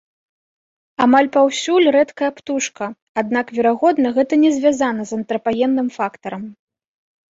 Амаль паўсюль рэдкая птушка, аднак, верагодна, гэта не звязана з антрапагенным фактарам.